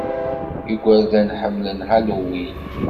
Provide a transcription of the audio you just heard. Igerdan ḥemmlen Halloween.